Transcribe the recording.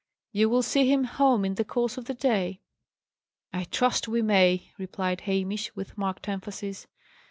"You will see him home in the course of the day." "I trust we may!" replied Hamish, with marked emphasis.